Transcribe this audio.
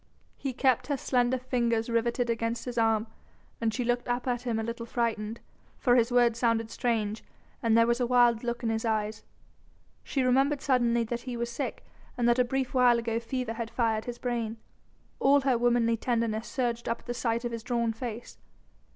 He kept her slender fingers rivetted against his arm, and she looked up at him a little frightened, for his words sounded strange and there was a wild look in his eyes. She remembered suddenly that he was sick and that a brief while ago fever had fired his brain. All her womanly tenderness surged up at sight of his drawn face.